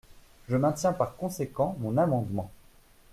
Je maintiens par conséquent mon amendement.